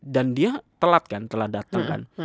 dan dia telat kan telat datang kan